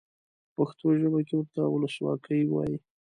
په پښتو ژبه کې ورته ولسواکي وایي.